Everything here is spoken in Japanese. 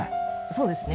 そうですね。